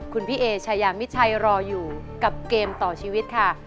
คุณพี่เอชายามิชัยรออยู่กับเกมต่อชีวิตค่ะ